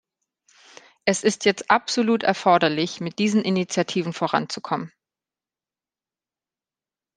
Es ist jetzt absolut erforderlich, mit diesen Initiativen voranzukommen.